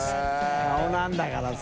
顔なんだからさ。